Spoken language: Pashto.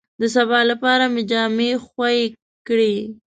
د سبا لپاره مې جامې خوې کړې.